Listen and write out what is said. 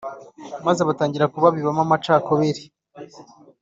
maze batangira kubabibamo amacakubiri